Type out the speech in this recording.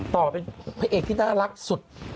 ต่อเป็นพระเอกที่น่ารักสุด